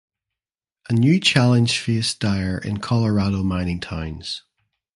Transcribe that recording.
A new challenge faced Dyer in Colorado mining towns.